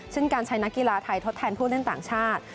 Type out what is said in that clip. ซึ่งการใช้นักกีฬาไทยทดแทนผู้เล่นต่างชาติ